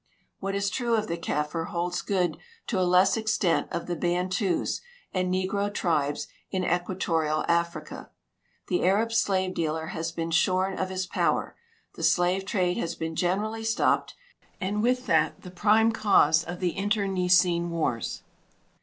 What is true of the Kaffir holds good to a less extent of the Bantus and negro tribes in Equatorial Africa. The Arab slaA'e dealer has been shorn of his poAA^er ; the slaA^e trade has been generally stopped, and with that the prime cause of the interne cine wars.